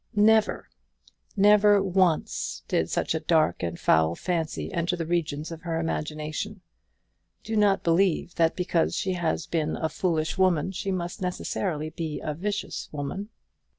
Never never once did such a dark and foul fancy enter the regions of her imagination. Do not believe that because she had been a foolish woman she must necessarily be a vicious woman.